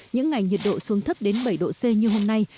những ngày nhiệt độ xuống thấp đến bảy độ c như hôm nay